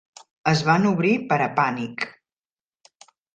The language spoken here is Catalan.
Es van obrir per a Pànic!